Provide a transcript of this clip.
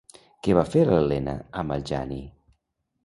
Què va fer l'Elena amb el Jani?